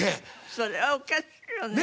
それはおかしいよね。